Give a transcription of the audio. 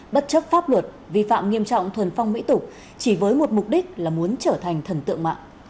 bất chấp pháp luật vi phạm nghiêm trọng thuần phong mỹ tục chỉ với một mục đích là muốn trở thành thần tượng mạng